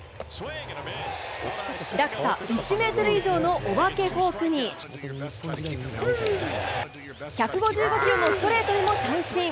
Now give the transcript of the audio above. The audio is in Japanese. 落差１メートル以上のお化けフォークに、１５５キロのストレートでも三振。